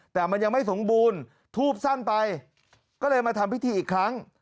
แต่มันยังไม่สมบูรณ์ทูบสั้นไปก็เลยมาทำพิธีอีกครั้ง